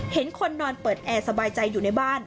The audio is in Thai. เห็นคนนอนเปิดแอร์สบายใจอยู่ในบ้าน